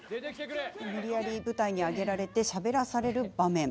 無理やり舞台に上げられてしゃべらされる場面。